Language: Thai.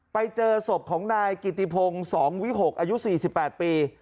ไปเจอศพของนายกิติพงศ์๒วิหกอายุ๔๘ปี